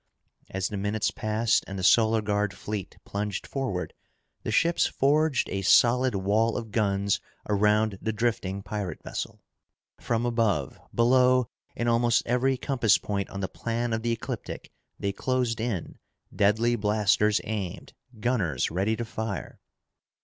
As the minutes passed and the Solar Guard fleet plunged forward, the ships forged a solid wall of guns around the drifting pirate vessel. From above, below, and almost every compass point on the plan of the ecliptic, they closed in, deadly blasters aimed, gunners ready to fire.